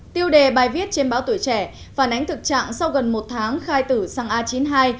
tiêu đề bài viết trên báo tuổi trẻ phản ánh thực trạng sau gần một tháng khai tử sang a chín mươi hai